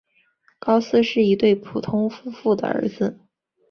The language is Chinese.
高斯是一对普通夫妇的儿子。